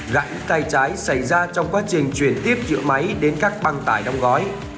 cảm ứng tay trái xảy ra trong quá trình chuyển tiếp giữa máy đến các băng tải đóng gói